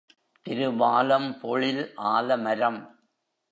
திருவாலம் பொழில் ஆலமரம்.